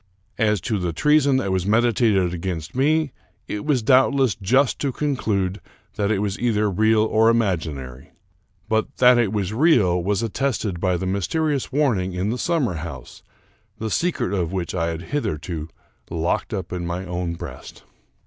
As to the treason that was medi tated against me, it was doubtless just to conclude that it was either real or imaginary ; but that it was real was at tested by the mysterious warning in the summer house, the secret of which I had hitherto locked up in my own breast.